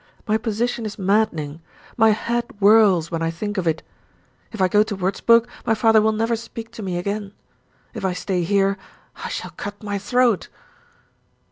My position is maddening; my head whirls when I think of it. If I go to Wurzburg, my father will never speak to me again. If I stay here, I shall cut my throat."